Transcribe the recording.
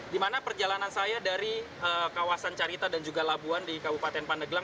di mana perjalanan saya dari kawasan carita dan juga labuan di kabupaten pandeglang